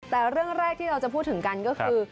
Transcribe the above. แต่เรื่องแรกที่เราจะพูดถึงกันก็คือ